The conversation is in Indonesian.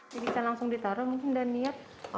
jadi bisa langsung ditaruh mungkin dan lihat